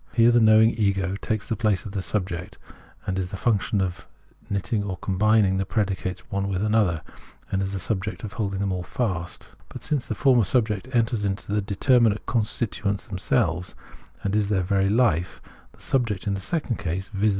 Here the knowing ego takes the place of that subject and is the function of knit ting or combining the predicates one with another, and is the subject holding them fast. But since the former subject enters into the determinate constitu ents themselves, and is their very life, the subject in the second case — viz.